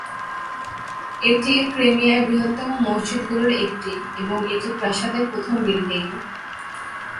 এটি ক্রিমিয়ার বৃহত্তম মসজিদগুলির একটি এবং এটি প্রাসাদের প্রথম বিল্ডিং।